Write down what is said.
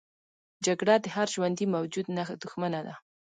جګړه د هر ژوندي موجود دښمنه ده